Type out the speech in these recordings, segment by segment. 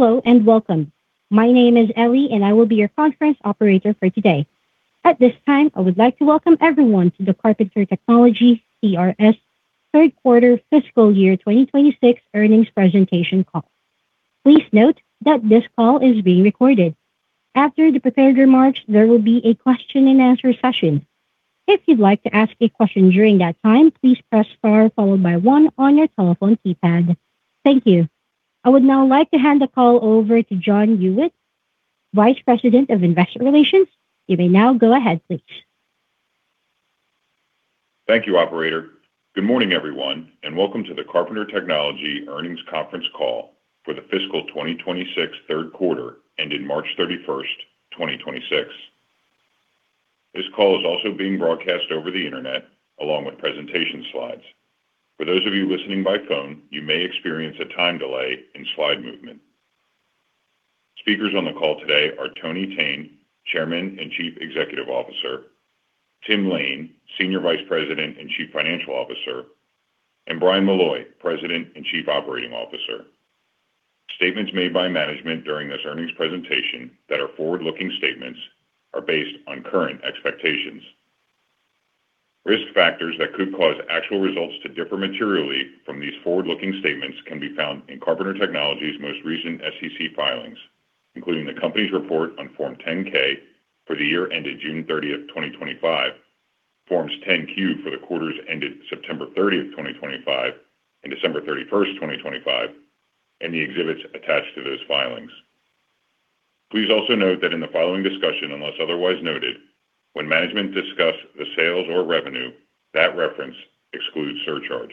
Hello and welcome. My name is Ellie and I will be your conference operator for today. At this time, I would like to welcome everyone to the Carpenter Technology, CRS third quarter fiscal year 2026 earnings presentation call. Please note that this call is being recorded. After the prepared remarks, there will be a question-and-answer session. If you'd like to ask a question during that time, please press star followed by one on your telephone keypad. Thank you. I would now like to hand the call over to John Huyette, Vice President of Investor Relations. You may now go ahead, please. Thank you, operator. Good morning, everyone, and welcome to the Carpenter Technology Earnings Conference call for the fiscal 2026 third quarter ending March 31, 2026. This call is also being broadcast over the internet along with presentation slides. For those of you listening by phone, you may experience a time delay in slide movement. Speakers on the call today are Tony Thene, Chairman and Chief Executive Officer, Tim Lain, Senior Vice President and Chief Financial Officer, and Brian Malloy, President and Chief Operating Officer. Statements made by management during this earnings presentation that are forward-looking statements are based on current expectations. Risk factors that could cause actual results to differ materially from these forward-looking statements can be found in Carpenter Technology's most recent SEC filings, including the company's report on Form 10-K for the year ended June 30, 2025, Forms 10-Q for the quarters ended September 30, 2025 and December 31, 2025, and the exhibits attached to those filings. Please also note that in the following discussion, unless otherwise noted, when management discuss the sales or revenue, that reference excludes surcharge.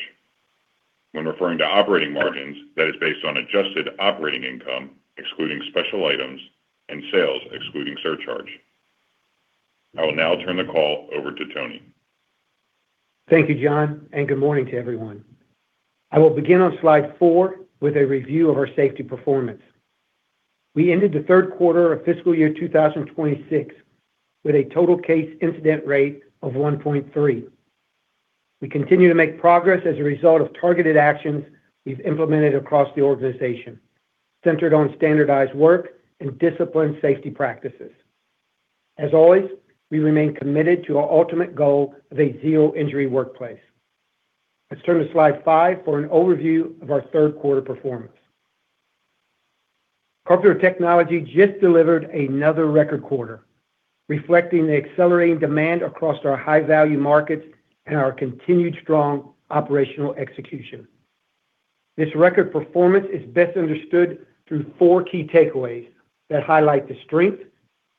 When referring to operating margins, that is based on adjusted operating income, excluding special items and sales excluding surcharge. I will now turn the call over to Tony. Thank you, John, and good morning to everyone. I will begin on slide four with a review of our safety performance. We ended the third quarter of fiscal year 2026 with a total case incident rate of 1.3. We continue to make progress as a result of targeted actions we've implemented across the organization, centered on standardized work and disciplined safety practices. As always, we remain committed to our ultimate goal of a zero-injury workplace. Let's turn to slide five for an overview of our third quarter performance. Carpenter Technology just delivered another record quarter, reflecting the accelerating demand across our high-value markets and our continued strong operational execution. This record performance is best understood through four key takeaways that highlight the strength,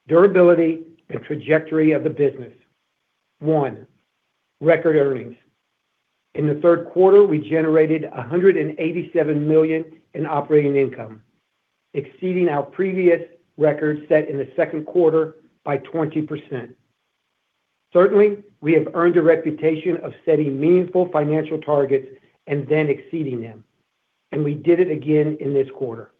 durability, and trajectory of the business. One, record earnings. In the third quarter, we generated $187 million in operating income, exceeding our previous record set in the second quarter by 20%. Certainly, we have earned a reputation of setting meaningful financial targets and then exceeding them, and we did it again in this quarter.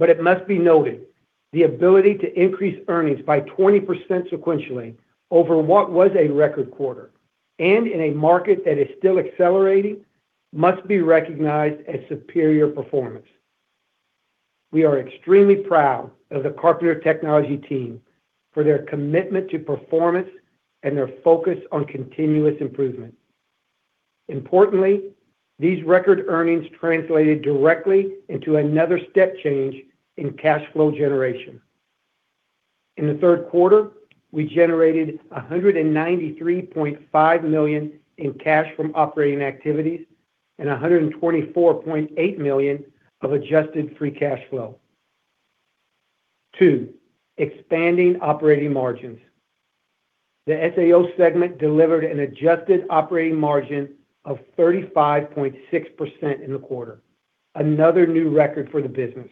It must be noted, the ability to increase earnings by 20% sequentially over what was a record quarter and in a market that is still accelerating, must be recognized as superior performance. We are extremely proud of the Carpenter Technology team for their commitment to performance and their focus on continuous improvement. Importantly, these record earnings translated directly into another step change in cash flow generation. In the third quarter, we generated $193.5 million in cash from operating activities and $124.8 million of adjusted free cash flow. Two, expanding operating margins. The SAO segment delivered an adjusted operating margin of 35.6% in the quarter, another new record for the business.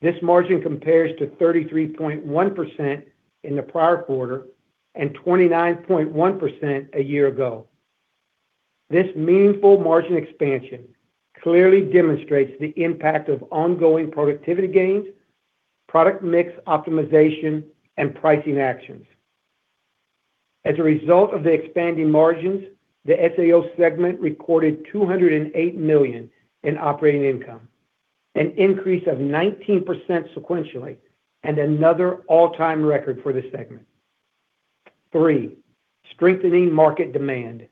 This margin compares to 33.1% in the prior quarter and 29.1% a year ago. This meaningful margin expansion clearly demonstrates the impact of ongoing productivity gains, product mix optimization and pricing actions. As a result of the expanding margins, the SAO segment recorded $208 million in operating income, an increase of 19% sequentially and another all-time record for this segment. Three, strengthening market demand.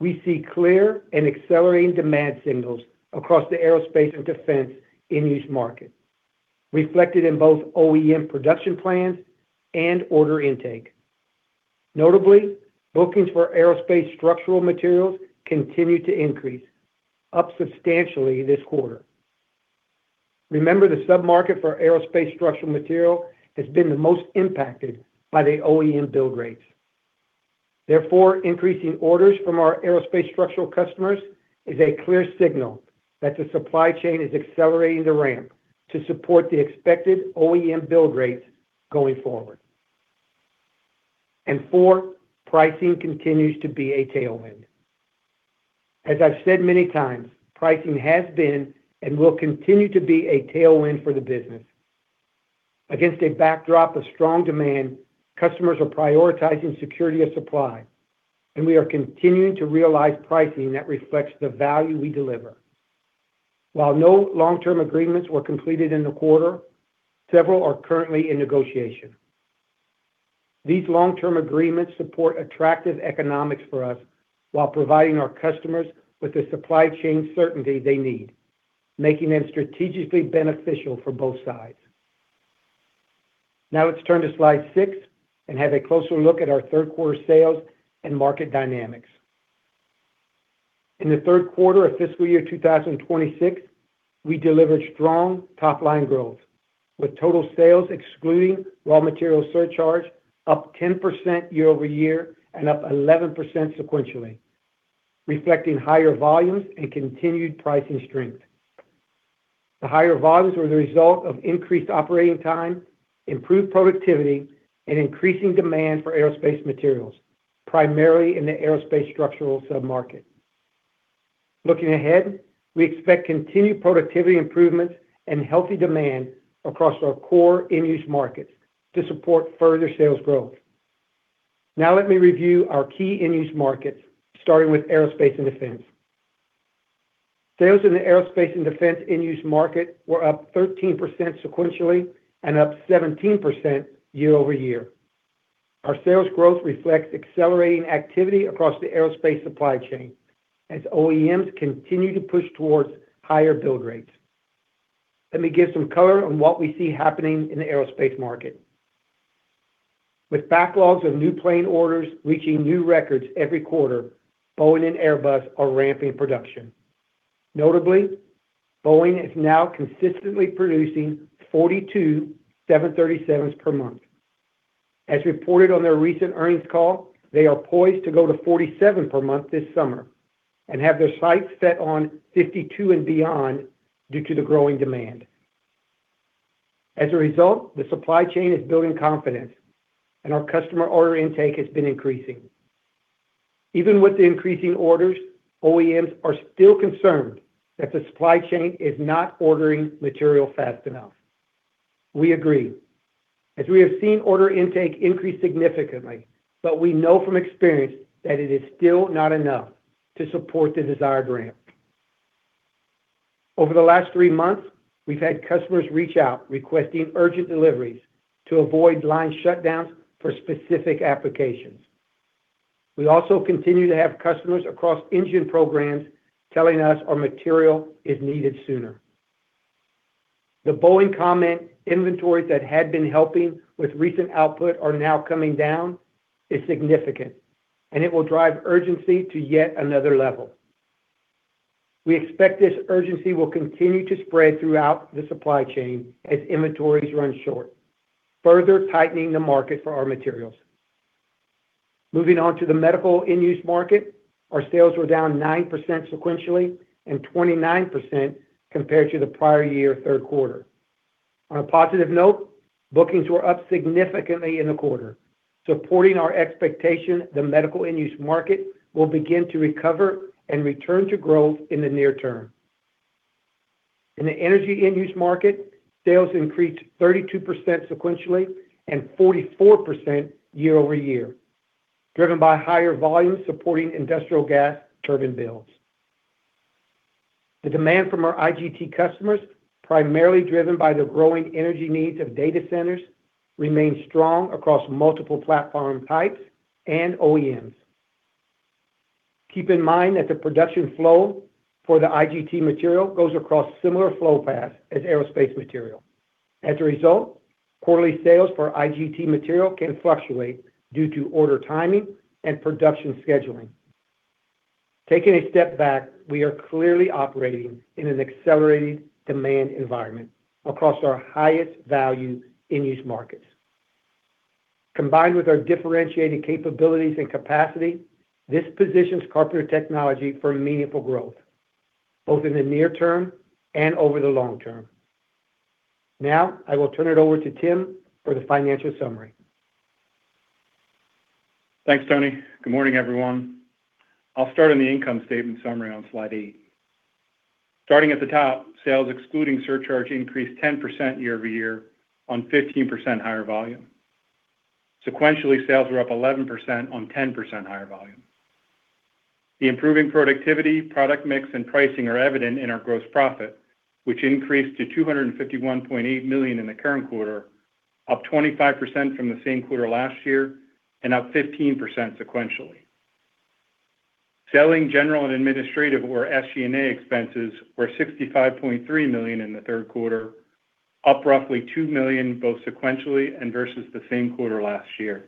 We see clear and accelerating demand signals across the Aerospace and Defense end-use market, reflected in both OEM production plans and order intake. Notably, bookings for aerospace structural materials continue to increase, up substantially this quarter. Remember, the sub-market for aerospace structural material has been the most impacted by the OEM build rates. Therefore, increasing orders from our aerospace structural customers is a clear signal that the supply chain is accelerating the ramp to support the expected OEM build rates Four, pricing continues to be a tailwind. As I've said many times, pricing has been and will continue to be a tailwind for the business. Against a backdrop of strong demand, customers are prioritizing security of supply, and we are continuing to realize pricing that reflects the value we deliver. While no long-term agreements were completed in the quarter, several are currently in negotiation. These long-term agreements support attractive economics for us while providing our customers with the supply chain certainty they need, making them strategically beneficial for both sides. Now let's turn to slide six and have a closer look at our third quarter sales and market dynamics. In the third quarter of fiscal year 2026, we delivered strong top-line growth, with total sales excluding raw material surcharge up 10% year-over-year and up 11% sequentially, reflecting higher volumes and continued pricing strength. The higher volumes were the result of increased operating time, improved productivity, and increasing demand for aerospace materials, primarily in the aerospace structural sub-market. Looking ahead, we expect continued productivity improvements and healthy demand across our core end-use markets to support further sales growth. Now let me review our key end-use markets, starting with Aerospace and Defense. Sales in the Aerospace and Defense end-use market were up 13% sequentially and up 17% year-over-year. Our sales growth reflects accelerating activity across the aerospace supply chain as OEMs continue to push towards higher build rates. Let me give some color on what we see happening in the aerospace market. With backlogs of new plane orders reaching new records every quarter, Boeing and Airbus are ramping production. Notably, Boeing is now consistently producing 42 737s per month. As reported on their recent earnings call, they are poised to go to 47 per month this summer and have their sights set on 52 and beyond due to the growing demand. As a result, the supply chain is building confidence and our customer order intake has been increasing. Even with the increasing orders, OEMs are still concerned that the supply chain is not ordering material fast enough. We agree, as we have seen order intake increase significantly, but we know from experience that it is still not enough to support the desired ramp. Over the last three months, we've had customers reach out requesting urgent deliveries to avoid line shutdowns for specific applications. We also continue to have customers across engine programs telling us our material is needed sooner. The Boeing comment inventories that had been helping with recent output are now coming down is significant. It will drive urgency to yet another level. We expect this urgency will continue to spread throughout the supply chain as inventories run short, further tightening the market for our materials. Moving on to the Medical end-use market, our sales were down 9% sequentially and 29% compared to the prior year third quarter. On a positive note, bookings were up significantly in the quarter, supporting our expectation the Medical end-use market will begin to recover and return to growth in the near term. In the Energy end-use market, sales increased 32% sequentially and 44% year-over-year, driven by higher volumes supporting industrial gas turbine builds. The demand from our IGT customers, primarily driven by the growing energy needs of data centers, remains strong across multiple platform types and OEMs. Keep in mind that the production flow for the IGT material goes across similar flow paths as aerospace material. As a result, quarterly sales for IGT material can fluctuate due to order timing and production scheduling. Taking a step back, we are clearly operating in an accelerated demand environment across our highest value end-use markets. Combined with our differentiated capabilities and capacity, this positions Carpenter Technology for meaningful growth, both in the near term and over the long term. I will turn it over to Tim for the financial summary. Thanks, Tony. Good morning, everyone. I'll start on the income statement summary on slide eight. Starting at the top, sales excluding surcharge increased 10% year-over-year on 15% higher volume. Sequentially, sales were up 11% on 10% higher volume. The improving productivity, product mix, and pricing are evident in our gross profit, which increased to $251.8 million in the current quarter, up 25% from the same quarter last year and up 15% sequentially. Selling, general, and administrative, or SG&A expenses were $65.3 million in the third quarter, up roughly $2 million both sequentially and versus the same quarter last year.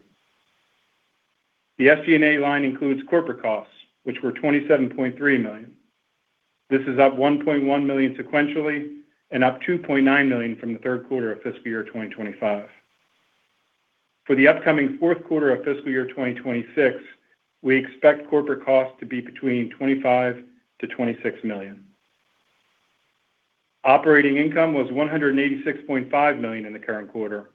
The SG&A line includes corporate costs, which were $27.3 million. This is up $1.1 million sequentially and up $2.9 million from the third quarter of fiscal year 2025. For the upcoming fourth quarter of fiscal year 2026, we expect corporate costs to be between $25 million-$26 million. Operating income was $186.5 million in the current quarter,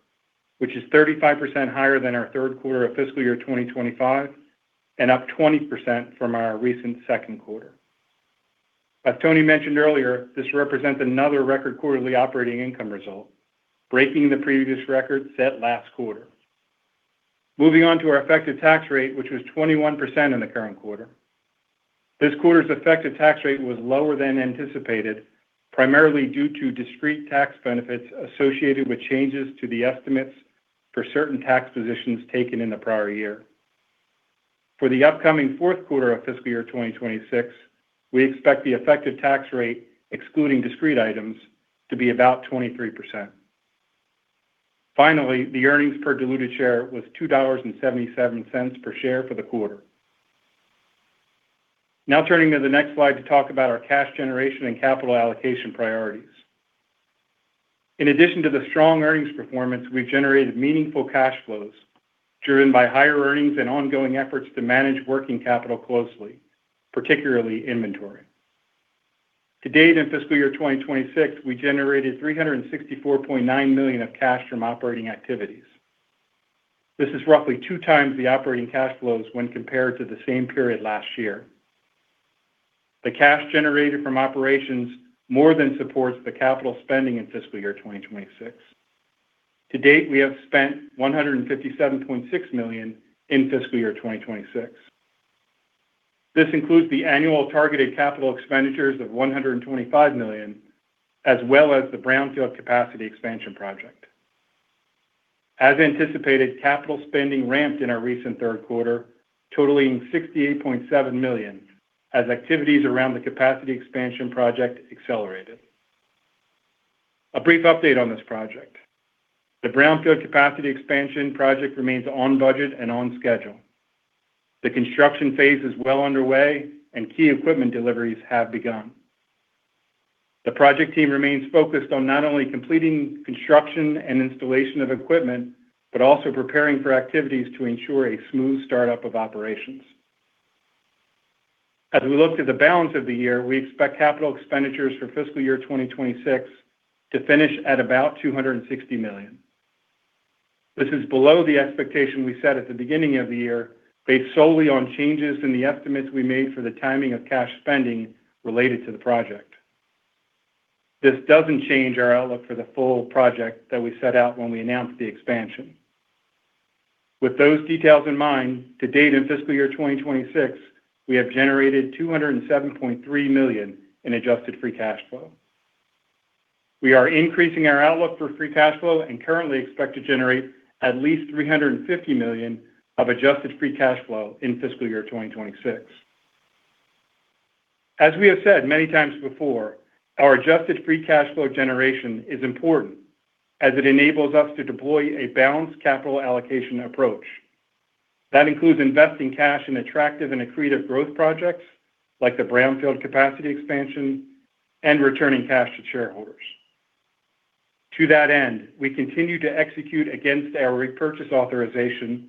which is 35% higher than our third quarter of fiscal year 2025 and up 20% from our recent second quarter. As Tony mentioned earlier, this represents another record quarterly operating income result, breaking the previous record set last quarter. Moving on to our effective tax rate, which was 21% in the current quarter. This quarter's effective tax rate was lower than anticipated, primarily due to discrete tax benefits associated with changes to the estimates for certain tax positions taken in the prior year. For the upcoming fourth quarter of fiscal year 2026, we expect the effective tax rate, excluding discrete items, to be about 23%. Finally, the earnings per diluted share was $2.77 per share for the quarter. Turning to the next slide to talk about our cash generation and capital allocation priorities. In addition to the strong earnings performance, we've generated meaningful cash flows driven by higher earnings and ongoing efforts to manage working capital closely, particularly inventory. To date, in fiscal year 2026, we generated $364.9 million of cash from operating activities. This is roughly 2x the operating cash flows when compared to the same period last year. The cash generated from operations more than supports the capital spending in fiscal year 2026. To date, we have spent $157.6 million in fiscal year 2026. This includes the annual targeted capital expenditures of $125 million, as well as the Brownfield capacity expansion project. As anticipated, capital spending ramped in our recent third quarter, totaling $68.7 million as activities around the capacity expansion project accelerated. A brief update on this project. The Brownfield capacity expansion project remains on budget and on schedule. The construction phase is well underway and key equipment deliveries have begun. The project team remains focused on not only completing construction and installation of equipment, but also preparing for activities to ensure a smooth startup of operations. We look to the balance of the year, we expect capital expenditures for fiscal year 2026 to finish at about $260 million. This is below the expectation we set at the beginning of the year, based solely on changes in the estimates we made for the timing of cash spending related to the project. This doesn't change our outlook for the full project that we set out when we announced the expansion. With those details in mind, to date in fiscal year 2026, we have generated $207.3 million in adjusted free cash flow. We are increasing our outlook for free cash flow and currently expect to generate at least $350 million of adjusted free cash flow in fiscal year 2026. As we have said many times before, our adjusted free cash flow generation is important as it enables us to deploy a balanced capital allocation approach. That includes investing cash in attractive and accretive growth projects, like the Brownfield capacity expansion and returning cash to shareholders. To that end, we continue to execute against our repurchase authorization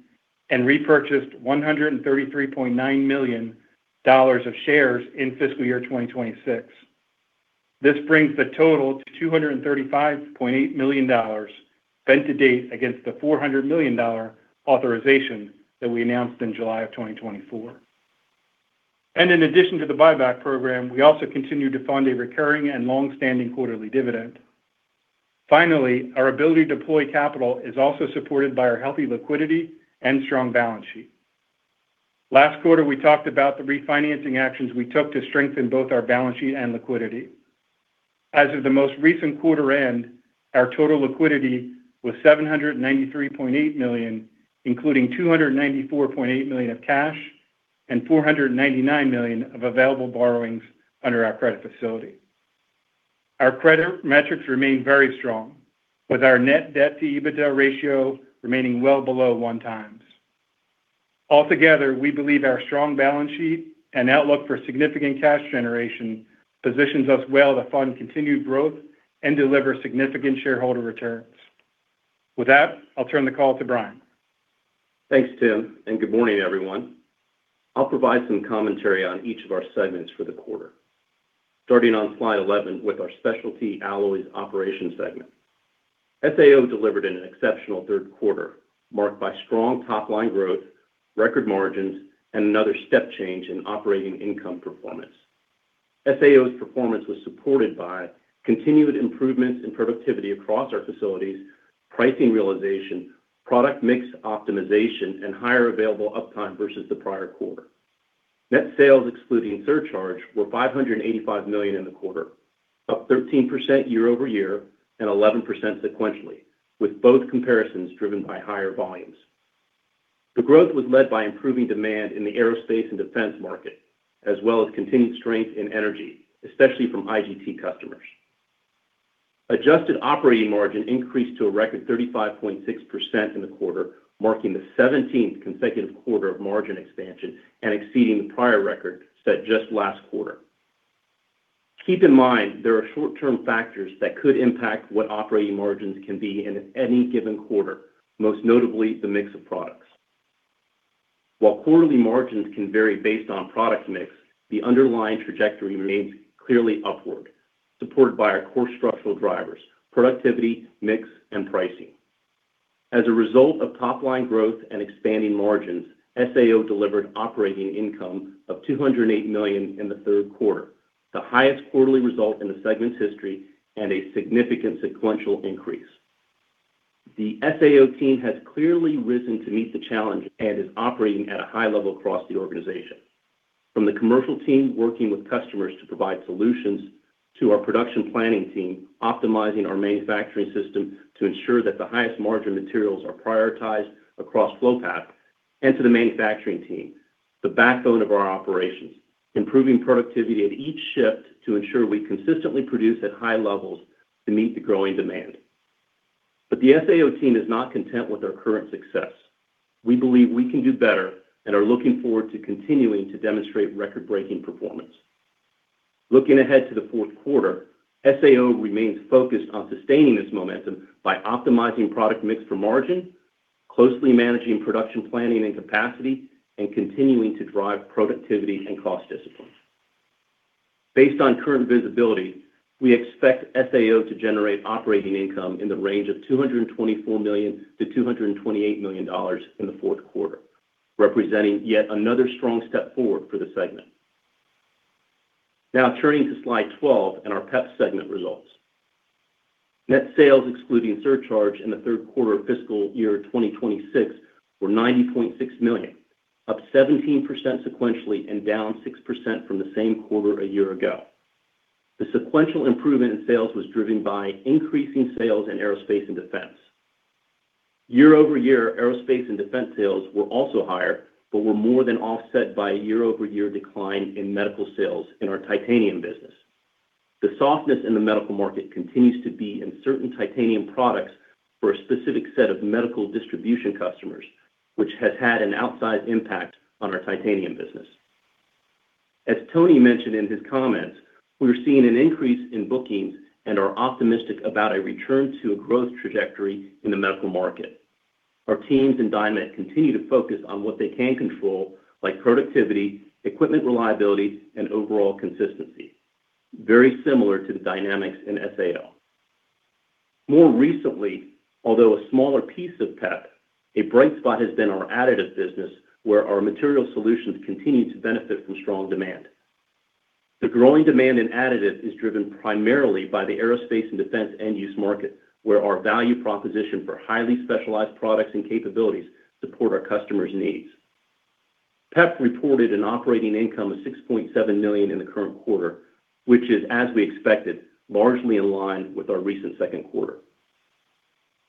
and repurchased $133.9 million of shares in FY 2026. This brings the total to $235.8 million spent to date against the $400 million authorization that we announced in July of 2024. In addition to the buyback program, we also continue to fund a recurring and long-standing quarterly dividend. Finally, our ability to deploy capital is also supported by our healthy liquidity and strong balance sheet. Last quarter, we talked about the refinancing actions we took to strengthen both our balance sheet and liquidity. As of the most recent quarter end, our total liquidity was $793.8 million, including $294.8 million of cash and $499 million of available borrowings under our credit facility. Our credit metrics remain very strong, with our net debt to EBITDA ratio remaining well below 1x. Altogether, we believe our strong balance sheet and outlook for significant cash generation positions us well to fund continued growth and deliver significant shareholder returns. With that, I'll turn the call to Brian. Thanks, Tim, and good morning, everyone. I'll provide some commentary on each of our segments for the quarter. Starting on slide 11 with our Specialty Alloys Operations segment. SAO delivered an exceptional third quarter, marked by strong top-line growth, record margins, and another step change in operating income performance. SAO's performance was supported by continued improvements in productivity across our facilities, pricing realization, product mix optimization, and higher available uptime versus the prior quarter. Net sales, excluding surcharge, were $585 million in the quarter, up 13% year-over-year and 11% sequentially, with both comparisons driven by higher volumes. The growth was led by improving demand in the Aerospace and Defense market, as well as continued strength in Energy, especially from IGT customers. Adjusted operating margin increased to a record 35.6% in the quarter, marking the 17th consecutive quarter of margin expansion and exceeding the prior record set just last quarter. Keep in mind, there are short-term factors that could impact what operating margins can be in any given quarter, most notably the mix of products. While quarterly margins can vary based on product mix, the underlying trajectory remains clearly upward, supported by our core structural drivers: productivity, mix, and pricing. As a result of top-line growth and expanding margins, SAO delivered operating income of $208 million in the third quarter, the highest quarterly result in the segment's history and a significant sequential increase. The SAO team has clearly risen to meet the challenge and is operating at a high level across the organization. From the commercial team working with customers to provide solutions to our production planning team, optimizing our manufacturing system to ensure that the highest margin materials are prioritized across flow path and to the manufacturing team, the backbone of our operations, improving productivity at each shift to ensure we consistently produce at high levels to meet the growing demand. The SAO team is not content with our current success. We believe we can do better and are looking forward to continuing to demonstrate record-breaking performance. Looking ahead to the fourth quarter, SAO remains focused on sustaining this momentum by optimizing product mix for margin, closely managing production planning and capacity, and continuing to drive productivity and cost discipline. Based on current visibility, we expect SAO to generate operating income in the range of $224 million-$228 million in the fourth quarter, representing yet another strong step forward for the segment. Now turning to slide 12 and our PEP segment results. Net sales excluding surcharge in the third quarter of fiscal year 2026 were $90.6 million, up 17% sequentially and down 6% from the same quarter a year ago. The sequential improvement in sales was driven by increasing sales in Aerospace and Defense. Year-over-year, Aerospace and Defense sales were also higher, but were more than offset by a year-over-year decline in Medical sales in our titanium business. The softness in the Medical market continues to be in certain titanium products for a specific set of Medical distribution customers, which has had an outsized impact on our titanium business. As Tony mentioned in his comments, we're seeing an increase in bookings and are optimistic about a return to a growth trajectory in the Medical market. Our teams in Dynamet continue to focus on what they can control, like productivity, equipment reliability, and overall consistency. Very similar to the dynamics in SAO. More recently, although a smaller piece of PEP, a bright spot has been our additive business, where our material solutions continue to benefit from strong demand. The growing demand in additive is driven primarily by the Aerospace and Defense end-use market, where our value proposition for highly specialized products and capabilities support our customers' needs. PEP reported an operating income of $6.7 million in the current quarter, which is, as we expected, largely in line with our recent second quarter.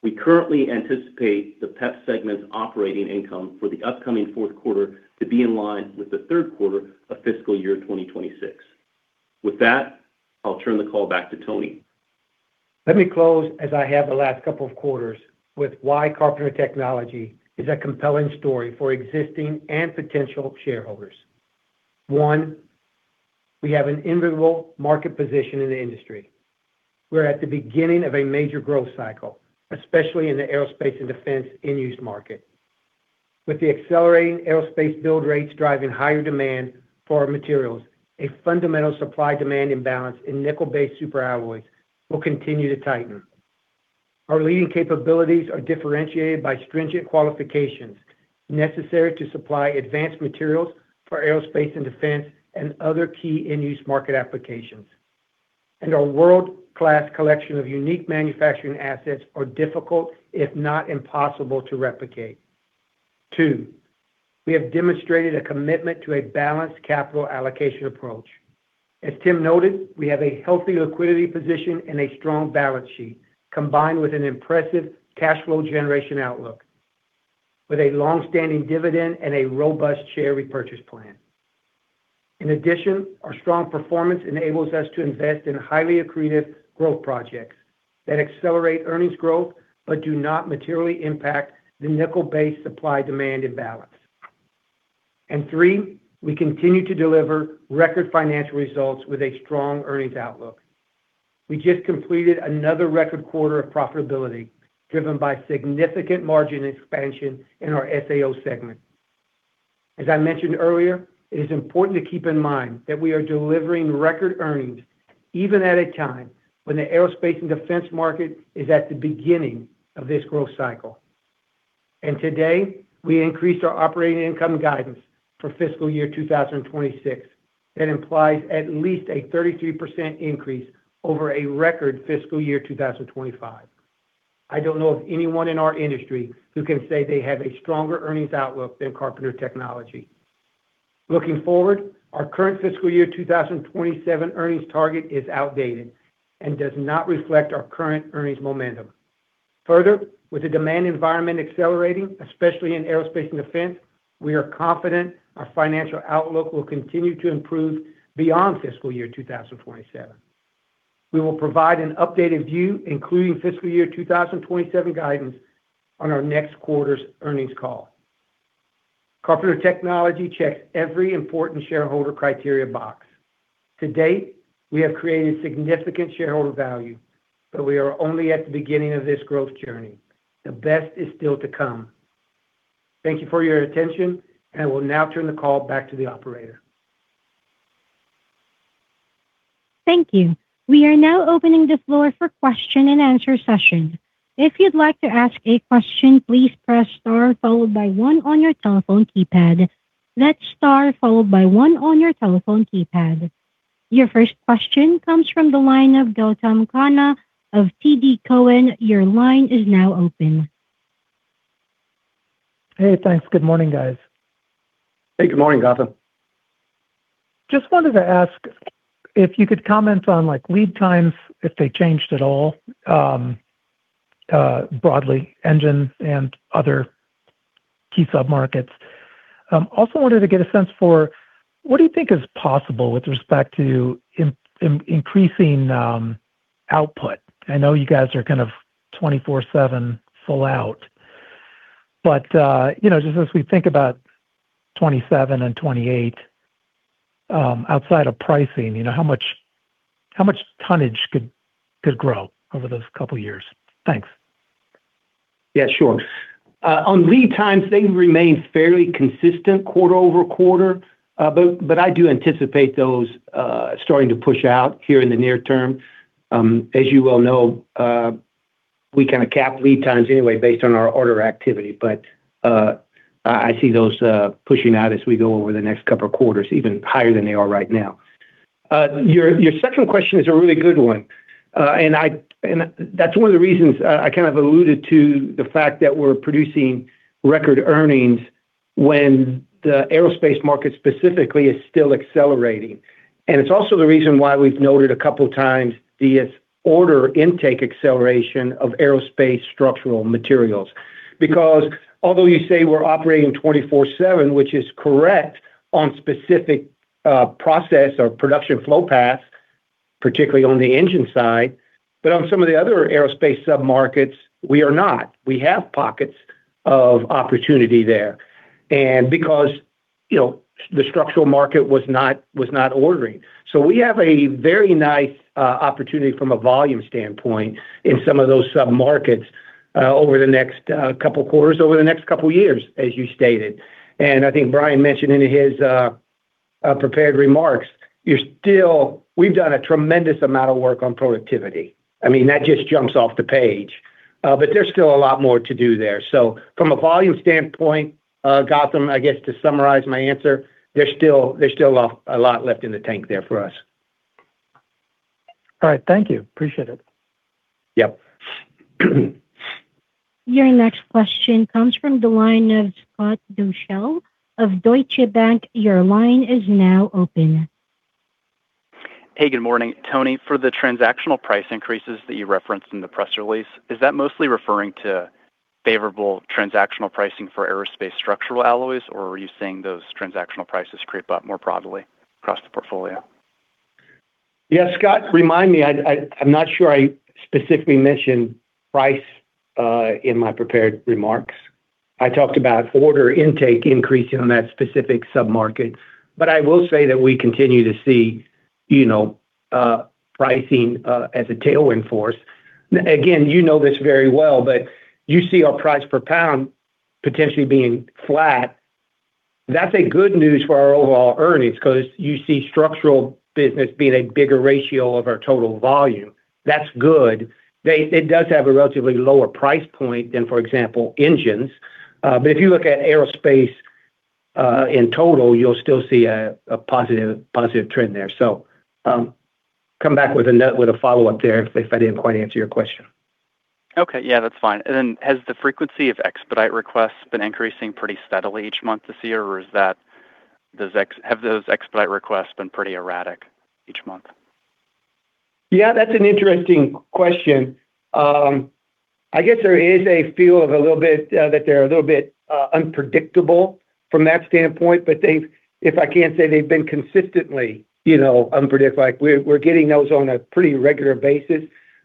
We currently anticipate the PEP segment's operating income for the upcoming fourth quarter to be in line with the third quarter of fiscal year 2026. With that, I'll turn the call back to Tony. Let me close as I have the last couple of quarters with why Carpenter Technology is a compelling story for existing and potential shareholders. One, we have an enviable market position in the industry. We're at the beginning of a major growth cycle, especially in the Aerospace and Defense end-use market. With the accelerating aerospace build rates driving higher demand for our materials, a fundamental supply-demand imbalance in nickel-based superalloys will continue to tighten. Our leading capabilities are differentiated by stringent qualifications necessary to supply advanced materials for Aerospace and Defense and other key end-use market applications. Our world-class collection of unique manufacturing assets are difficult, if not impossible, to replicate. Two, we have demonstrated a commitment to a balanced capital allocation approach. As Tim noted, we have a healthy liquidity position and a strong balance sheet combined with an impressive cash flow generation outlook with a long-standing dividend and a robust share repurchase plan. Our strong performance enables us to invest in highly accretive growth projects that accelerate earnings growth but do not materially impact the nickel-based supply-demand imbalance. Three, we continue to deliver record financial results with a strong earnings outlook. We just completed another record quarter of profitability driven by significant margin expansion in our SAO segment. As I mentioned earlier, it is important to keep in mind that we are delivering record earnings even at a time when the Aerospace and Defense market is at the beginning of this growth cycle. Today, we increased our operating income guidance for fiscal year 2026. That implies at least a 33% increase over a record fiscal year 2025. I don't know of anyone in our industry who can say they have a stronger earnings outlook than Carpenter Technology. Looking forward, our current fiscal year 2027 earnings target is outdated and does not reflect our current earnings momentum. Further, with the demand environment accelerating, especially in Aerospace and Defense, we are confident our financial outlook will continue to improve beyond fiscal year 2027. We will provide an updated view, including fiscal year 2027 guidance, on our next quarter's earnings call. Carpenter Technology checks every important shareholder criteria box. To date, we have created significant shareholder value, but we are only at the beginning of this growth journey. The best is still to come. Thank you for your attention. I will now turn the call back to the operator. Thank you. We are now opening the floor for question and answer session. If you'd like to ask a question, please press star followed by one on your telephone keypad. That's star followed by one on your telephone keypad. Your first question comes from the line of Gautam Khanna of TD Cowen. Your line is now open. Hey, thanks. Good morning, guys. Hey. Good morning, Gautam. Just wanted to ask if you could comment on like lead times, if they changed at all, broadly engine and other key sub-markets. Also wanted to get a sense for what do you think is possible with respect to increasing output? I know you guys are kind of 24/7 full out, but, you know, just as we think about 2027 and 2028, outside of pricing, you know, how much tonnage could grow over those couple years? Thanks. Yeah, sure. On lead times, they remain fairly consistent quarter-over-quarter. I do anticipate those starting to push out here in the near term. As you well know, we kind of cap lead times anyway based on our order activity. I see those pushing out as we go over the next couple of quarters even higher than they are right now. Your second question is a really good one. That's one of the reasons I kind of alluded to the fact that we're producing record earnings when the aerospace market specifically is still accelerating. It's also the reason why we've noted a couple times the order intake acceleration of aerospace structural materials. Because although you say we're operating 24/7, which is correct on specific process or production flow paths, particularly on the engine side, but on some of the other aerospace sub-markets, we are not. We have pockets of opportunity there, and because, you know, the structural market was not ordering. We have a very nice opportunity from a volume standpoint in some of those sub-markets over the next two quarters, over the next two years, as you stated. I think Brian mentioned in his prepared remarks, We've done a tremendous amount of work on productivity. I mean, that just jumps off the page. There's still a lot more to do there. From a volume standpoint, Gautam, I guess to summarize my answer, there's still a lot left in the tank there for us. All right. Thank you. Appreciate it. Yep. Your next question comes from the line of Scott Deuschle of Deutsche Bank. Your line is now open. Hey, good morning. Tony, for the transactional price increases that you referenced in the press release, is that mostly referring to favorable transactional pricing for aerospace structural alloys, or are you seeing those transactional prices creep up more broadly across the portfolio? Scott, remind me. I'm not sure I specifically mentioned price in my prepared remarks. I talked about order intake increasing on that specific sub-market. I will say that we continue to see, you know, pricing as a tailwind force. Again, you know this very well, you see our price per pound potentially being flat. That's good news for our overall earnings 'cause you see structural business being a bigger ratio of our total volume. That's good. It does have a relatively lower price point than, for example, engines. If you look at aerospace in total, you'll still see a positive trend there. Come back with a follow-up there if I didn't quite answer your question. Okay. Yeah, that's fine. Then has the frequency of expedite requests been increasing pretty steadily each month this year, or have those expedite requests been pretty erratic each month? Yeah, that's an interesting question. I guess there is a feel of a little bit that they're a little bit unpredictable from that standpoint, but If I can't say they've been consistently, you know, like, we're getting those on a pretty regular basis.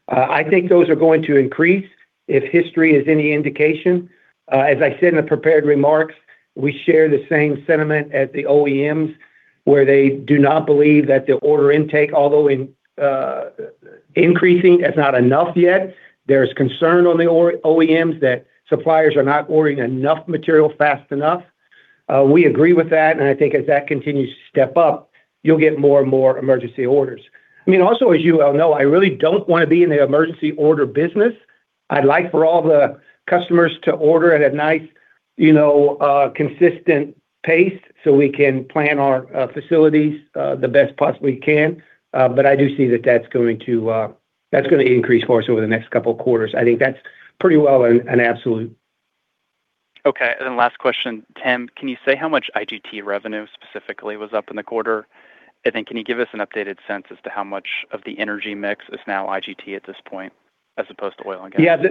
I think those are going to increase if history is any indication. As I said in the prepared remarks, we share the same sentiment at the OEMs where they do not believe that the order intake, although increasing, is not enough yet. There is concern on the OEMs that suppliers are not ordering enough material fast enough. We agree with that, and I think as that continues to step up, you'll get more and more emergency orders. I mean, also, as you well know, I really don't wanna be in the emergency order business. I'd like for all the customers to order at a nice, you know, consistent pace so we can plan our facilities the best possibly we can. I do see that that's going to, that's gonna increase for us over the next couple quarters. I think that's pretty well an absolute. Okay. Last question. Thene, can you say how much IGT revenue specifically was up in the quarter? Can you give us an updated sense as to how much of the Energy mix is now IGT at this point as opposed to oil and gas?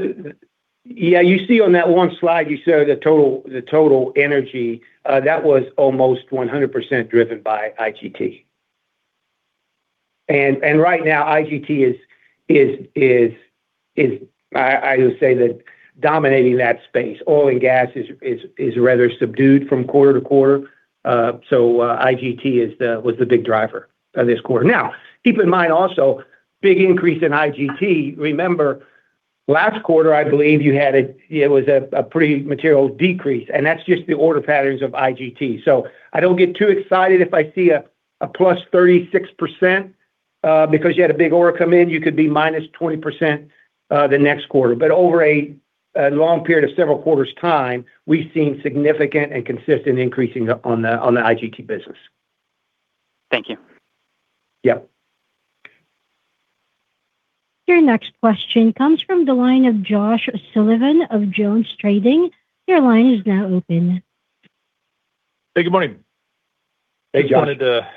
You see on that one slide you showed the total, the total Energy. That was almost 100% driven by IGT. Right now, IGT is I would say that dominating that space. Oil and gas is rather subdued from quarter-to-quarter. IGT was the big driver of this quarter. Now, keep in mind also, big increase in IGT. Remember, last quarter, I believe it was a pretty material decrease, that's just the order patterns of IGT. I don't get too excited if I see a +36% because you had a big order come in, you could be -20% the next quarter. Over a long period of several quarters' time, we've seen significant and consistent increasing on the IGT business. Thank you. Yep. Your next question comes from the line of Josh Sullivan of JonesTrading. Your line is now open. Hey, good morning. Hey, Josh. I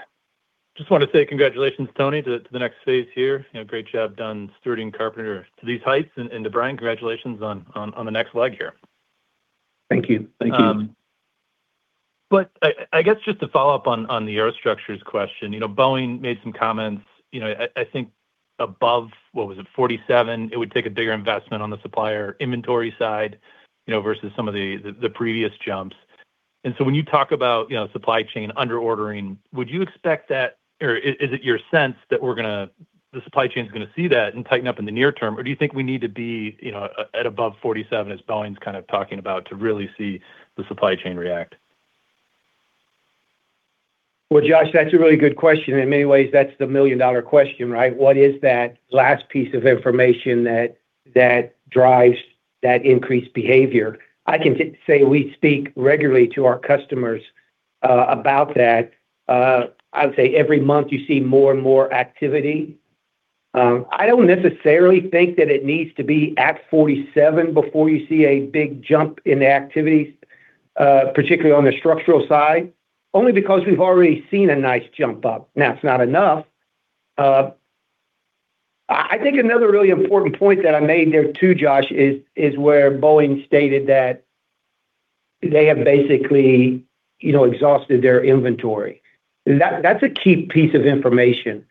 just wanted to say congratulations, Tony, to the next phase here. You know, great job done stewarding Carpenter to these heights, and to Brian, congratulations on the next leg here. Thank you. Thank you. I guess just to follow up on the aerostructures question, you know, Boeing made some comments, you know, I think above, what was it, 47, it would take a bigger investment on the supplier inventory side, you know, versus some of the previous jumps. When you talk about, you know, supply chain under-ordering, would you expect that, or is it your sense that we're gonna the supply chain's gonna see that and tighten up in the near term, or do you think we need to be, you know, at above 47, as Boeing's kind of talking about, to really see the supply chain react? Well, Josh, that's a really good question. In many ways, that's the million-dollar question, right? What is that last piece of information that drives that increased behavior? I can say we speak regularly to our customers about that. I would say every month you see more and more activity. I don't necessarily think that it needs to be at 47 before you see a big jump in activity, particularly on the structural side, only because we've already seen a nice jump up. Now, it's not enough. I think another really important point that I made there too, Josh, is where Boeing stated that they have basically, you know, exhausted their inventory. That's a key piece of information.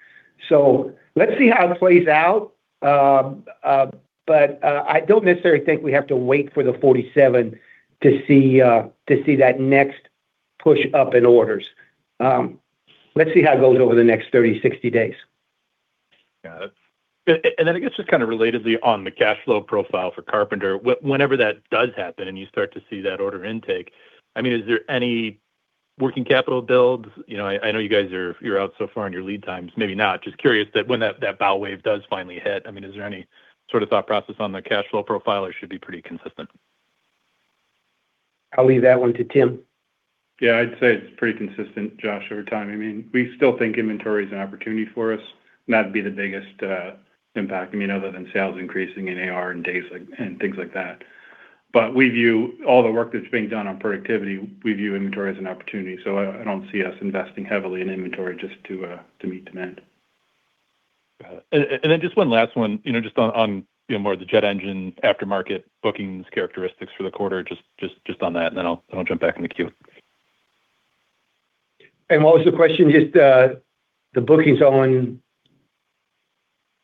Let's see how it plays out. I don't necessarily think we have to wait for the 47 to see that next push up in orders. Let's see how it goes over the next 30, 60 days. Yeah. That's. Then I guess just kind of relatedly on the cash flow profile for Carpenter, whenever that does happen and you start to see that order intake, I mean, is there any working capital builds? You know, I know you guys are, you're out so far on your lead times. Maybe not, just curious that when that bow wave does finally hit, I mean, is there any sort of thought process on the cash flow profile, or should it be pretty consistent? I'll leave that one to Tim. Yeah, I'd say it's pretty consistent, Josh, over time. I mean, we still think inventory is an opportunity for us, and that'd be the biggest impact, I mean, other than sales increasing in AR and days and things like that. We view all the work that's being done on productivity, we view inventory as an opportunity, so I don't see us investing heavily in inventory just to meet demand. Got it. Just one last one, you know, just on, you know, more of the jet engine aftermarket bookings characteristics for the quarter, just on that, and then I'll jump back in the queue. What was the question? Just the bookings on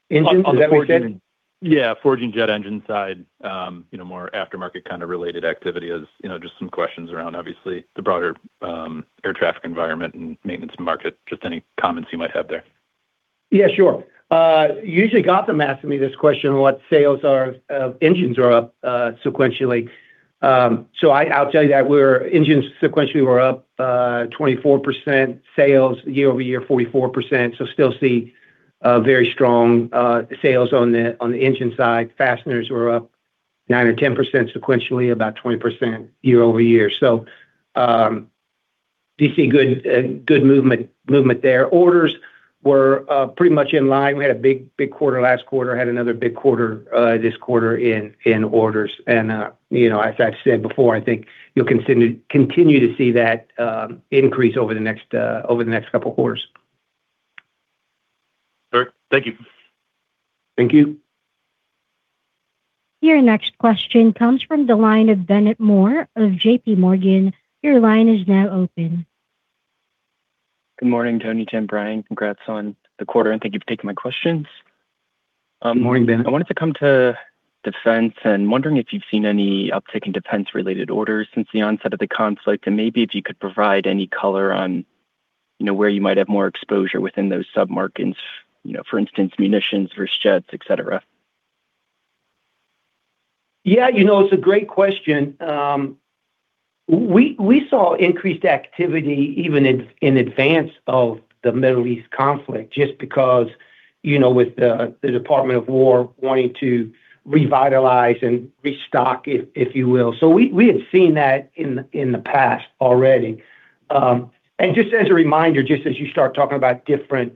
engines? Is that what you said? On forging. Yeah, forging jet engine side, you know, more aftermarket kind of related activity, as, you know, just some questions around obviously the broader air traffic environment and maintenance market. Just any comments you might have there? Yeah, sure. Usually Gautam asks me this question, what sales of engines are up sequentially. I'll tell you that engines sequentially were up 24%, sales year-over-year 44%, so still see very strong sales on the engine side. Fasteners were up 9% or 10% sequentially, about 20% year-over-year. Do you see good movement there. Orders were pretty much in line. We had a big quarter last quarter, had another big quarter this quarter in orders. You know, as I've said before, I think you'll continue to see that increase over the next couple quarters. Sure. Thank you. Thank you. Your next question comes from the line of Bennett Moore of JPMorgan. Your line is now open. Good morning, Tony, Tim, Brian. Congrats on the quarter, and thank you for taking my questions. Morning, Bennett. I wanted to come to defense. I'm wondering if you've seen any uptick in defense-related orders since the onset of the conflict, and maybe if you could provide any color on, you know, where you might have more exposure within those sub-markets, you know, for instance, munitions versus jets, et cetera. Yeah, you know, it's a great question. We saw increased activity even in advance of the Middle East conflict, just because, you know, with the Department of Defense wanting to revitalize and restock it, if you will. We had seen that in the past already. Just as a reminder, just as you start talking about different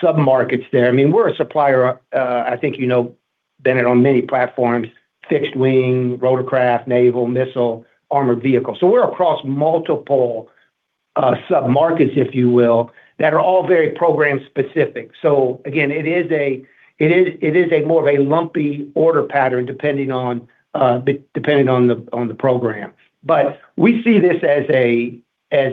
sub-markets there, I mean, we're a supplier, I think you know, Bennett, on many platforms, fixed wing, rotorcraft, naval, missile, armored vehicles. We're across multiple sub-markets, if you will, that are all very program-specific. Again, it is a more of a lumpy order pattern depending on the program. We see this as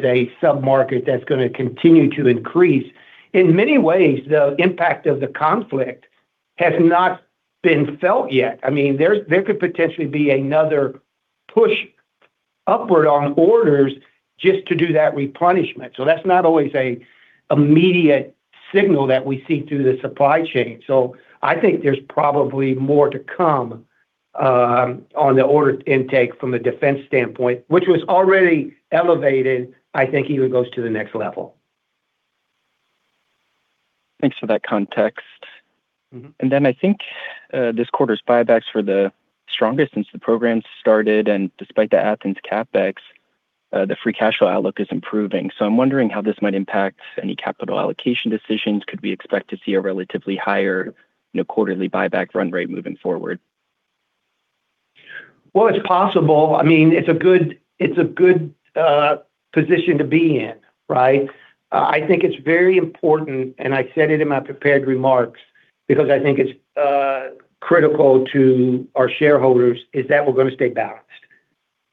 a sub-market that's gonna continue to increase. In many ways, the impact of the conflict has not been felt yet. I mean, there could potentially be another push-upward on orders just to do that replenishment. That's not always a immediate signal that we see through the supply chain. I think there's probably more to come on the order intake from a defense standpoint, which was already elevated, I think even goes to the next level. Thanks for that context. Mm-hmm. I think this quarter's buybacks were the strongest since the program started, and despite the Athens CapEx, the free cash flow outlook is improving. I'm wondering how this might impact any capital allocation decisions. Could we expect to see a relatively higher, you know, quarterly buyback run rate moving forward? Well, it's possible. I mean, it's a good, it's a good position to be in, right? I think it's very important, and I said it in my prepared remarks because I think it's critical to our shareholders, is that we're gonna stay balanced.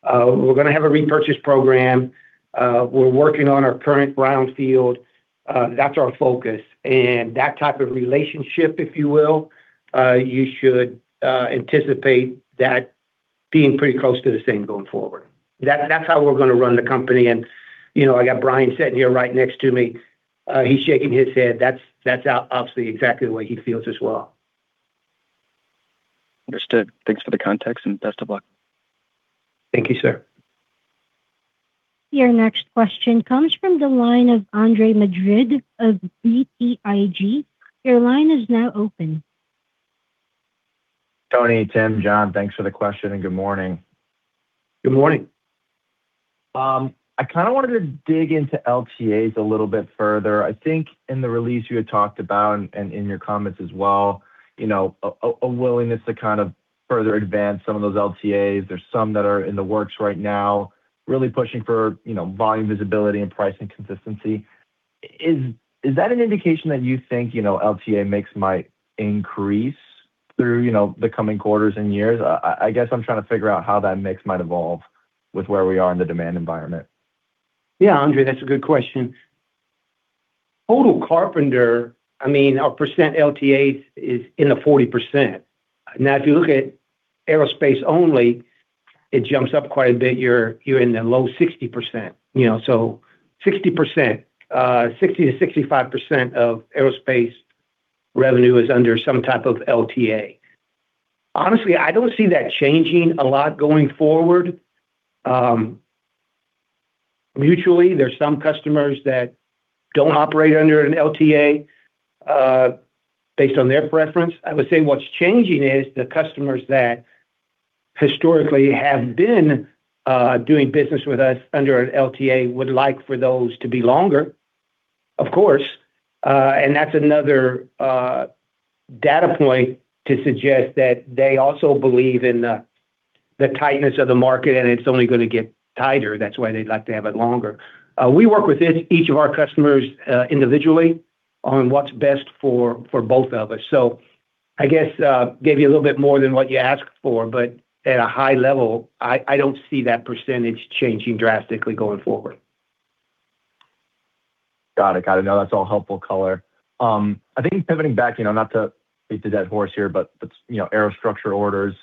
We're gonna have a repurchase program. We're working on our current Brownfield. That's our focus. That type of relationship, if you will, you should anticipate that being pretty close to the same going forward. That's how we're gonna run the company and, you know, I got Brian sitting here right next to me. He's shaking his head. That's obviously exactly the way he feels as well. Understood. Thanks for the context, and best of luck. Thank you, sir. Your next question comes from the line of Andre Madrid of BTIG. Your line is now open. Tony, Tim, John, thanks for the question, and good morning. Good morning. I kinda wanted to dig into LTAs a little bit further. I think in the release you had talked about, and in your comments as well, you know, a willingness to kind of further advance some of those LTAs. There's some that are in the works right now, really pushing for, you know, volume visibility and pricing consistency. Is that an indication that you think, you know, LTA mix might increase through, you know, the coming quarters and years? I guess I'm trying to figure out how that mix might evolve with where we are in the demand environment. Yeah, Andre, that's a good question. Total Carpenter, I mean, our percent LTAs is in the 40%. If you look at aerospace only, it jumps up quite a bit. You're in the low 60%. You know, 60%, 60%-65% of aerospace revenue is under some type of LTA. Honestly, I don't see that changing a lot going forward. Mutually, there's some customers that don't operate under an LTA based on their preference. I would say what's changing is the customers that historically have been doing business with us under an LTA would like for those to be longer, of course. That's another data point to suggest that they also believe in the tightness of the market, and it's only gonna get tighter. That's why they'd like to have it longer. We work with each of our customers individually on what's best for both of us. I guess gave you a little bit more than what you asked for, but at a high level, I don't see that percentage changing drastically going forward. Got it. Got it. No, that's all helpful color. I think pivoting back, you know, not to beat the dead horse here, but, you know, aerostructure orders.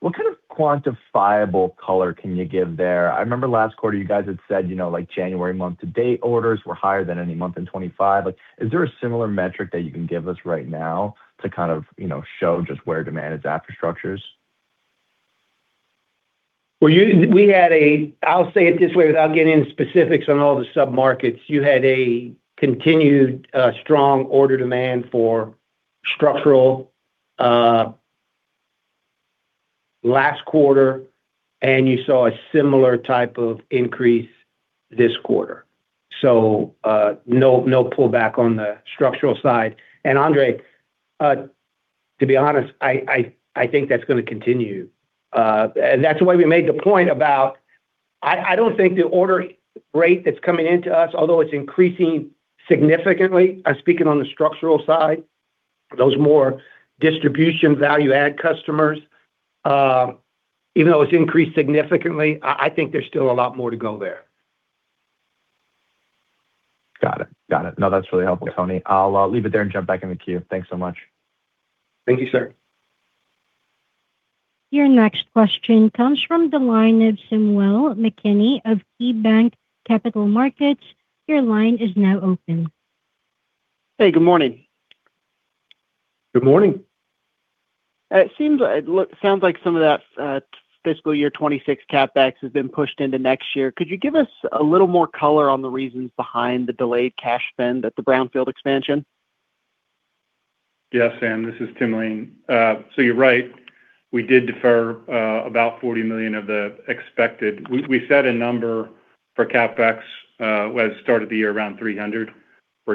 What kind of quantifiable color can you give there? I remember last quarter you guys had said, you know, like January month to date orders were higher than any month in 2025. Like, is there a similar metric that you can give us right now to kind of, you know, show just where demand is after structures? Well, I'll say it this way, without getting into specifics on all the sub-markets. You had a continued strong order demand for structural last quarter, and you saw a similar type of increase this quarter. No, no pullback on the structural side. Andre, to be honest, I think that's gonna continue. That's why we made the point about I don't think the order rate that's coming into us, although it's increasing significantly, I'm speaking on the structural side, those more distribution value add customers, even though it's increased significantly, I think there's still a lot more to go there. Got it. No, that's really helpful, Tony. I'll leave it there and jump back in the queue. Thanks so much. Thank you, sir. Your next question comes from the line of Samuel McKinney of KeyBanc Capital Markets. Your line is now open. Hey, good morning. Good morning. It sounds like some of that fiscal year 2026 CapEx has been pushed into next year. Could you give us a little more color on the reasons behind the delayed cash spend at the Brownfield expansion? Yes, Sam, this is Tim Lain. You're right. We did defer about $40 million of the expected. We set a number for CapEx at the start of the year around $300 million.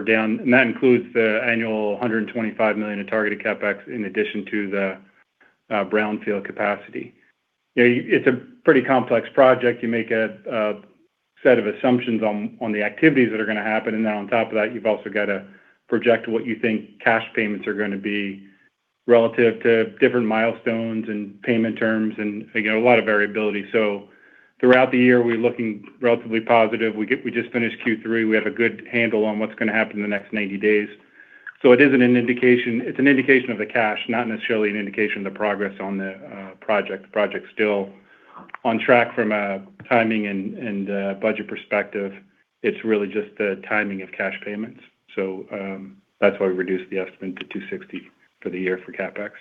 That includes the annual $125 million in targeted CapEx in addition to the Brownfield capacity. You know, it's a pretty complex project. You make a set of assumptions on the activities that are gonna happen. On top of that, you've also got to project what you think cash payments are gonna be relative to different milestones and payment terms and, again, a lot of variability. Throughout the year, we're looking relatively positive. We just finished Q3. We have a good handle on what's gonna happen in the next 90 days. It's an indication of the cash, not necessarily an indication of the progress on the project. The project's still on track from a timing and budget perspective. It's really just the timing of cash payments. That's why we reduced the estimate to $260 million for the year for CapEx.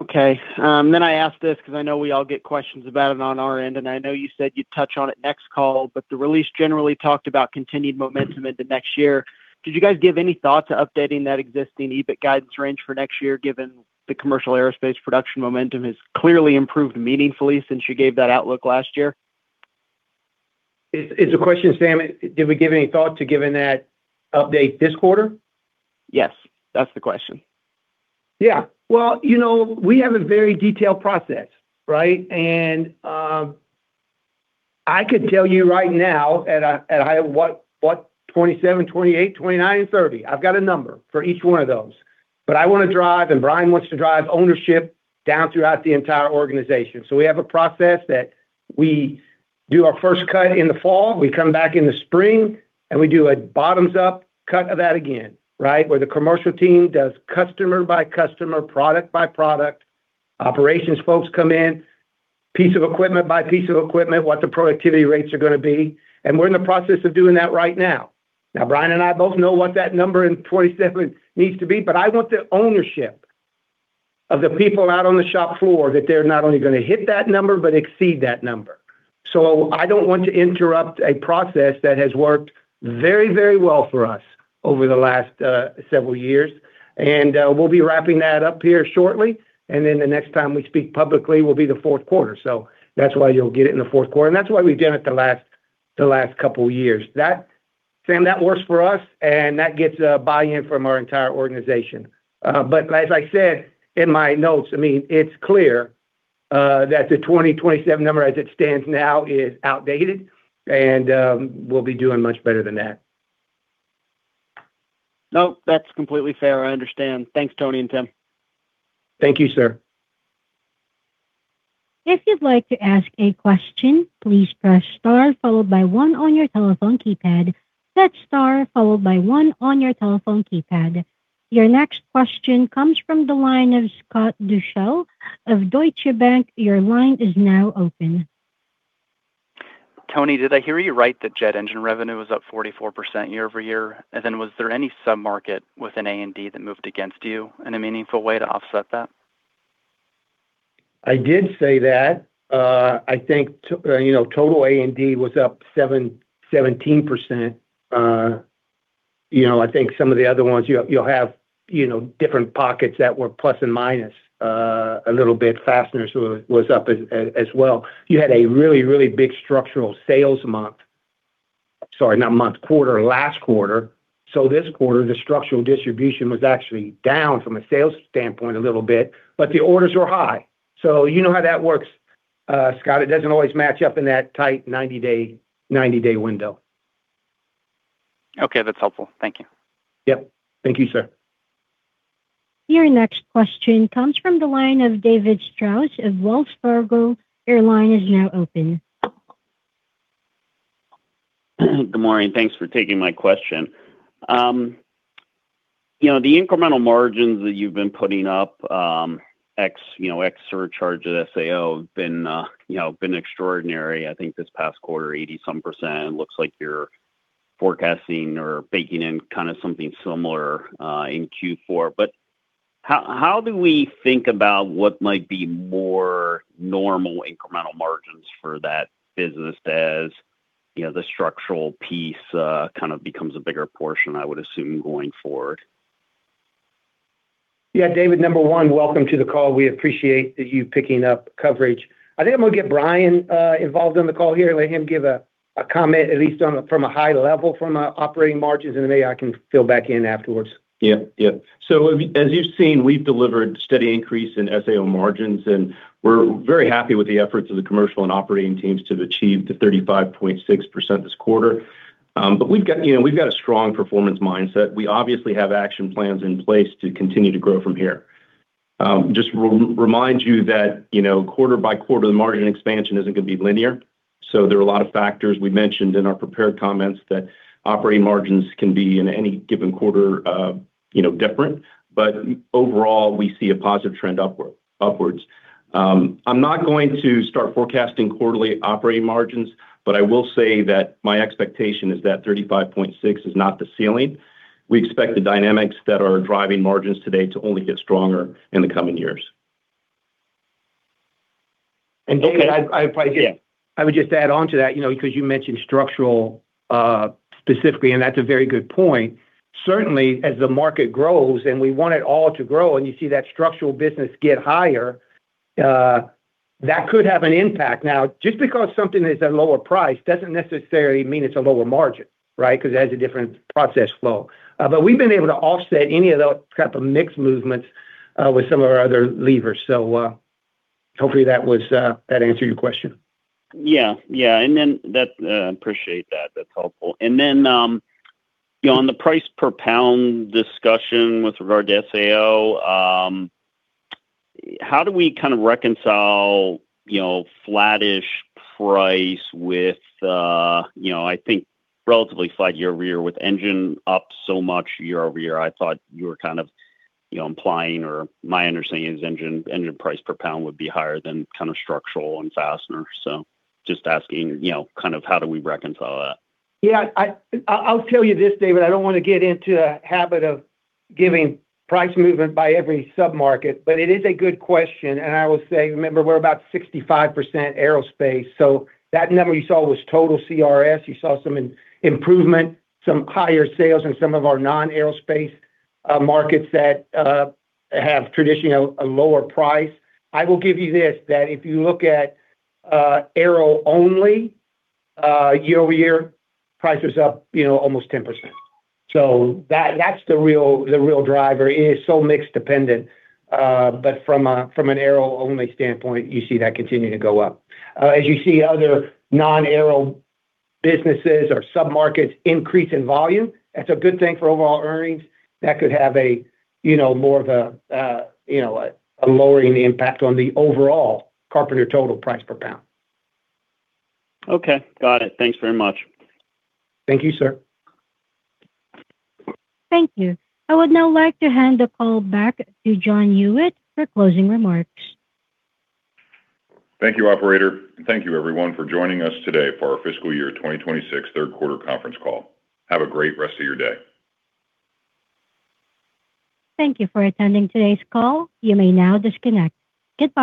Okay. I ask this 'cause I know we all get questions about it on our end, and I know you said you'd touch on it next call, but the release generally talked about continued momentum into next year. Did you guys give any thought to updating that existing EBIT guidance range for next year, given the commercial aerospace production momentum has clearly improved meaningfully since you gave that outlook last year? Is the question, Sam, did we give any thought to giving that update this quarter? Yes, that's the question. You know, we have a very detailed process, right? I could tell you right now at 2027, 2028, 2029, and 2030. I've got a number for each one of those. I wanna drive, and Brian Malloy wants to drive ownership down throughout the entire organization. We have a process that we do our first cut in the fall, we come back in the spring, and we do a bottoms-up cut of that again, right? Where the commercial team does customer by customer, product by product. Operations folks come in, piece of equipment by piece of equipment, what the productivity rates are gonna be, and we're in the process of doing that right now. Brian and I both know what that number in 2027 needs to be, but I want the ownership of the people out on the shop floor, that they're not only going to hit that number, but exceed that number. I don't want to interrupt a process that has worked very, very well for us over the last several years. We'll be wrapping that up here shortly, and then the next time we speak publicly will be the fourth quarter. That's why you'll get it in the fourth quarter, and that's why we've done it the last couple years. Samuel McKinney, that works for us, and that gets buy-in from our entire organization. As I said in my notes, I mean, it's clear that the 2027 number as it stands now is outdated and we'll be doing much better than that. Nope, that's completely fair. I understand. Thanks, Tony and Tim. Thank you, sir. If you'd like to ask a question, please press star followed one on your telephone keypad. Press star followed by one on your telephone keypad. Your next question comes from the line of Scott Deuschle of Deutsche Bank. Your line is now open. Tony, did I hear you right that jet engine revenue was up 44% year-over-year? Was there any sub-market within A&D that moved against you in a meaningful way to offset that? I did say that. I think to, you know, total A&D was up 17%. You know, I think some of the other ones you'll have, you know, different pockets that were plus and minus, a little bit. Fasteners was up as well. You had a really big structural sales month. Sorry, not month, quarter, last quarter. This quarter, the structural distribution was actually down from a sales standpoint a little bit, but the orders were high. You know how that works, Scott, it doesn't always match up in that tight 90-day window. Okay, that's helpful. Thank you. Yep. Thank you, sir. Your next question comes from the line of David Strauss of Wells Fargo. Your line is now open. Good morning. Thanks for taking my question. You know, the incremental margins that you've been putting up, ex, you know, ex surcharge at SAO have been, you know, been extraordinary. I think this past quarter, 80-some%. Looks like you're forecasting or baking in kinda something similar in Q4. How, how do we think about what might be more normal incremental margins for that business as, you know, the structural piece, kind of becomes a bigger portion, I would assume, going forward? Yeah. David, number one, welcome to the call. We appreciate you picking up coverage. I think I'm gonna get Brian involved on the call here and let him give a comment at least from a high level from a operating margins, and then maybe I can fill back in afterwards. Yeah, yeah. As you've seen, we've delivered steady increase in SAO margins, we're very happy with the efforts of the commercial and operating teams to have achieved the 35.6% this quarter. We've got, you know, a strong performance mindset. We obviously have action plans in place to continue to grow from here. Just remind you that, you know, quarter by quarter, the margin expansion isn't gonna be linear, so there are a lot of factors we mentioned in our prepared comments that operating margins can be in any given quarter, you know, different. Overall, we see a positive trend upwards. I'm not going to start forecasting quarterly operating margins, but I will say that my expectation is that 35.6 is not the ceiling. We expect the dynamics that are driving margins today to only get stronger in the coming years. David, I Yeah. I would just add on to that, you know, because you mentioned structural, specifically, and that's a very good point. Certainly, as the market grows, and we want it all to grow, and you see that structural business get higher, that could have an impact. Now, just because something is at lower price doesn't necessarily mean it's a lower margin, right? Because it has a different process flow. But we've been able to offset any of the type of mix movements, with some of our other levers. Hopefully that was that answered your question. Yeah. Yeah, that, appreciate that. That's helpful. You know, on the price per pound discussion with regard to SAO, how do we kind of reconcile, you know, flat-ish price with, you know, I think relatively flat year-over-year with engine up so much year-over-year? I thought you were kind of, you know, implying, or my understanding is engine price per pound would be higher than kind of structural and fastener. Just asking, you know, kind of how do we reconcile that? I'll tell you this, David. I don't wanna get into a habit of giving price movement by every sub-market, but it is a good question, and I will say, remember, we're about 65% Aerospace. That number you saw was total CRS. You saw some improvement, some higher sales in some of our non-aerospace markets that have traditional, a lower price. I will give you this, that if you look at aero only, year-over-year, price is up, you know, almost 10%. That's the real driver. It is so mix dependent, but from an aero-only standpoint, you see that continuing to go up. As you see other non-aero businesses or sub-markets increase in volume, that's a good thing for overall earnings. That could have a, you know, more of a, you know, a lowering impact on the overall Carpenter total price per pound. Okay. Got it. Thanks very much. Thank you, sir. Thank you. I would now like to hand the call back to John Huyette for closing remarks. Thank you, operator, and thank you everyone for joining us today for our fiscal year 2026 third quarter conference call. Have a great rest of your day. Thank you for attending today's call. You may now disconnect. Goodbye.